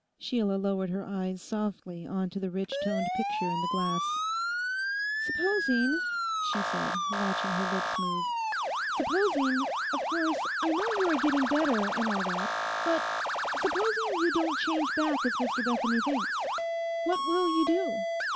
Sheila lowered her eyes softly on to the rich toned picture in the glass. 'Supposing,' she said, watching her lips move, 'supposing—of course, I know you are getting better and all that—but supposing you don't change back as Mr Bethany thinks, what will you do?